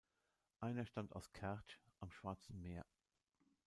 Einer stammt aus Kertsch am Schwarzen Meer.